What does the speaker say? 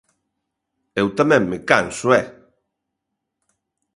Eu tamén me canso, ¡eh!